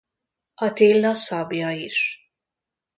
Atilla szablya is.